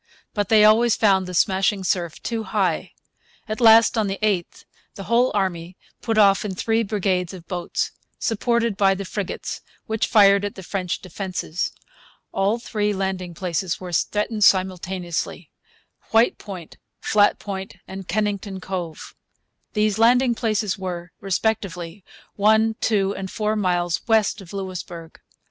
But they always found the smashing surf too high. At last, on the 8th, the whole army put off in three brigades of boats, supported by the frigates, which fired at the French defences. All three landing places were threatened simultaneously, White Point, Flat Point, and Kennington Cove. These landing places were, respectively, one, two, and four miles west of Louisbourg.